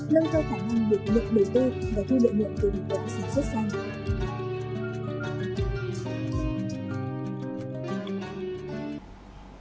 nâng cao khả năng bổng lượng đầu tư và thu lượng nguồn từng tổng sản xuất xanh